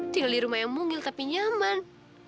tinggal di rumah yang mungil tapi nyaman